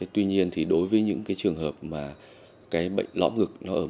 tuy nhiên thì đối với những cái trường hợp mà cái bệnh lõm ngực